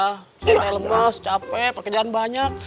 saya lemas capek pekerjaan banyak